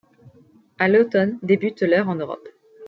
À l’automne débute leur en Europe.